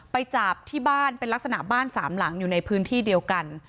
ไปจับที่บ้านเป็นลักษณะบ้านสามหลังอยู่ในพื้นที่เดียวกัน